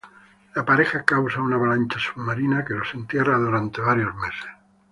La pareja causa una avalancha submarina que los entierra durante varios meses.